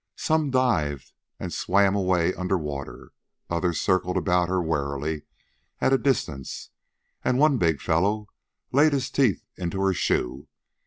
Some dived and swam away under water; others circled about her warily at a distance; and one big fellow laid his teeth into her shoe.